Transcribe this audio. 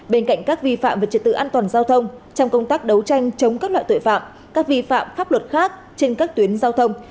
bên cạnh các vi phạm về trật tự an toàn giao thông trong công tác đấu tranh chống các loại tội phạm các vi phạm pháp luật khác trên các tuyến giao thông